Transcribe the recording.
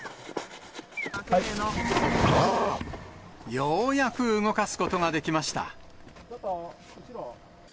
ようやく動かすことができました。